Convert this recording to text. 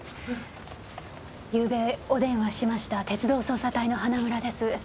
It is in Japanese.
昨夜お電話しました鉄道捜査隊の花村です。